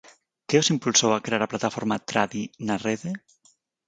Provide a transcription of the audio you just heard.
Que os impulsou a crear a plataforma Tradi na Rede?